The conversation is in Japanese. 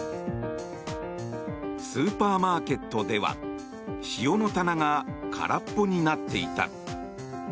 スーパーマーケットでは塩の棚が空っぽになっていた。